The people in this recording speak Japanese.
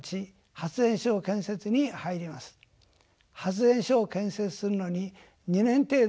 発電所を建設するのに２年程度かかります。